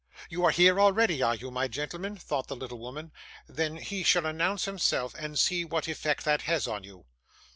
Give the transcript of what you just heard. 'You are here already, are you, my gentleman?' thought the little woman. 'Then he shall announce himself, and see what effect that has on you.